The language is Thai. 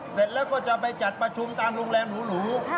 เสร็จแล้วก็จะไปจัดประชุมตามโรงแรมหรู